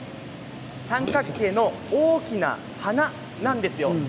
三角形の大きな鼻なんですよ。